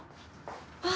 あっ！